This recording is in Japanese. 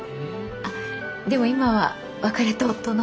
あっでも今は別れた夫の方に。